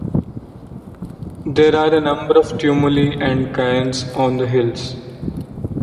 There are a number of tumuli and cairns on the hills.